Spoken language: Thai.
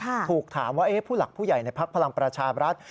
ถูกถามว่าผู้หลักผู้ใหญ่ในพักพลังประชาบรัฐ